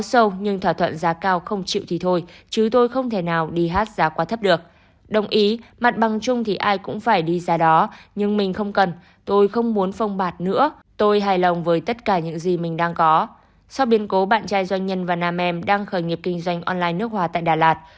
sau biến cố bạn trai doanh nhân và nam em đang khởi nghiệp kinh doanh online nước hòa tại đà lạt